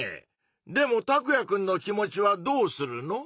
でもタクヤくんの気持ちはどうするの？